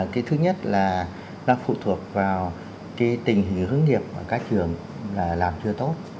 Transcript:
cái thứ nhất là nó phụ thuộc vào cái tình hình hướng nghiệp của các trường làm chưa tốt